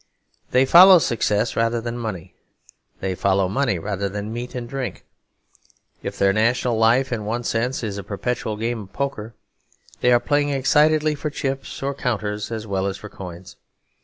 They follow success rather than money; they follow money rather than meat and drink. If their national life in one sense is a perpetual game of poker, they are playing excitedly for chips or counters as well as for coins.